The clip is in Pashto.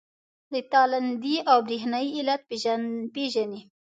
د تالندې او برېښنا علت پیژنئ؟